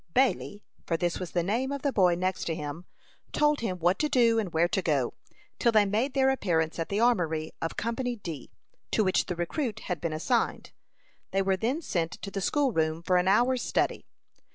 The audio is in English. Bailey for this was the name of the boy next to him told him what to do, and where to go, till they made their appearance at the armory of Company D, to which the recruit had been assigned. They were then sent to the school room for an hour's study.